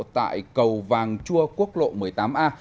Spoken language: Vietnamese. tại cầu vàng chua quốc lộ một mươi tám a